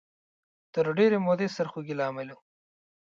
تر ډېرې مودې سرخوږۍ لامل و